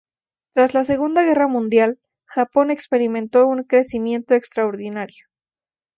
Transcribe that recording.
Tras la Segunda Guerra Mundial Japón experimentó un crecimiento extraordinario.